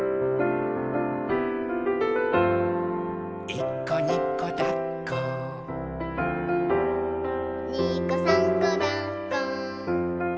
「いっこにこだっこ」「にこさんこだっこ」